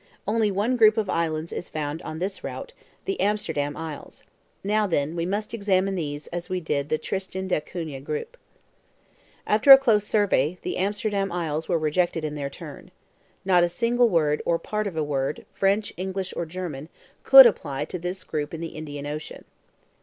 Only one group of islands is found on this route, the Amsterdam Isles. Now, then, we must examine these as we did the Tristan d'Acunha group." After a close survey, the Amsterdam Isles were rejected in their turn. Not a single word, or part of a word, French, English or German, could apply to this group in the Indian Ocean.